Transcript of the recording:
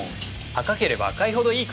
赤ければ赤いほどいいからね。